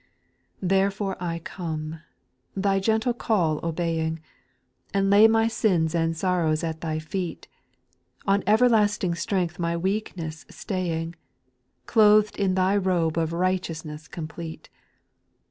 6. Therefore I come, Thy gentle call obeying, And lay my sins and sorrows at Thy feet, On everlasting strength ray weakness staying, Oloth'd in Thy robe of righteousness com plete.